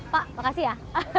pak makasih ya